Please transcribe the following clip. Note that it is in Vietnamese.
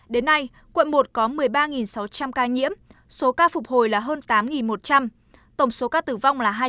đến nay quận một có một mươi ba sáu trăm linh ca nhiễm số ca phục hồi là hơn tám một trăm linh tổng số ca tử vong là hai trăm tám mươi hai